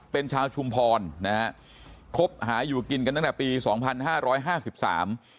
เป็นชาวชุมพรนะฮะคบหาอยู่กินกันตั้งแต่ปีสองพันห้าร้อยห้าสิบสาม